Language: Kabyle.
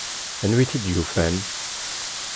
Anwa ay t-id-yufan?